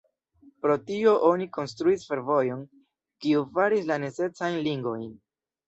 Pro tio oni konstruis fervojon, kiu faris la necesajn ligojn.